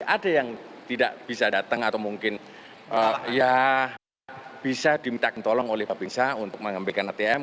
ada yang tidak bisa datang atau mungkin ya bisa diminta tolong oleh pak pingsan untuk mengambilkan atm